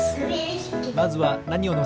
まずはなにをのせる？